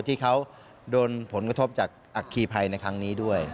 ที่เขาโดนผลกระทบจากอัคคีภัยในครั้งนี้ด้วย